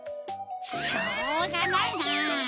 しょうがないな。